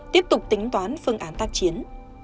tiếp tục tính toán phương án tác chiến